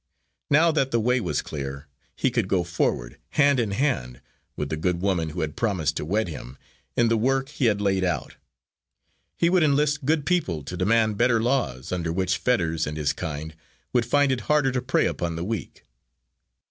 Now that the way was clear, he could go forward, hand in hand with the good woman who had promised to wed him, in the work he had laid out. He would enlist good people to demand better laws, under which Fetters and his kind would find it harder to prey upon the weak.